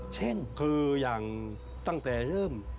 เช่นคืออย่างตั้งแต่เริ่ม